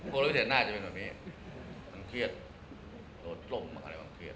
โครงพิเศษหน้าจะเป็นแบบมีบางเทียดโอจรมะอะไรปากเทียด